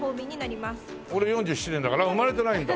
俺４７年だから生まれてないんだ！